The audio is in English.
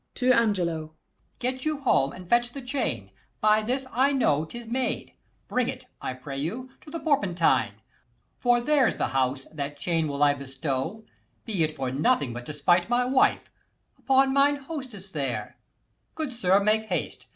[To Ang.] Get you home, And fetch the chain; by this I know 'tis made: 115 Bring it, I pray you, to the Porpentine; For there's the house: that chain will I bestow Be it for nothing but to spite my wife Upon mine hostess there: good sir, make haste.